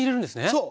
そう。